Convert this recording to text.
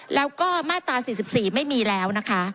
แล้วก็มาตรา๔๔ไม่มีแล้วนะคะ